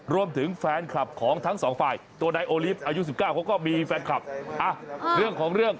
รวมถึง